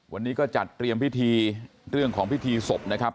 วันนี้ก็จัดเตรียมพิธีเรื่องของพิธีศพนะครับ